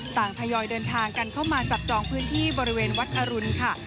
ทยอยเดินทางกันเข้ามาจับจองพื้นที่บริเวณวัดอรุณค่ะ